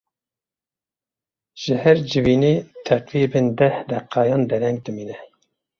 Ji her civînê teqrîben deh deqeyan dereng dimîne.